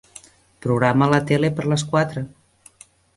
Programa la tele per a les quatre.